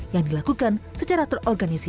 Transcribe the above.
yang dilakukan secara terorganisir